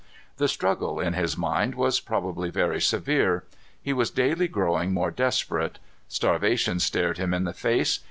The struggle, in his mind, was probably very severe. He was daily growing more desperate. Starvation stared him in the face.